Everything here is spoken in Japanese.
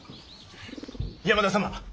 山田様